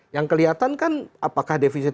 yang kelihatan kan apakah defisit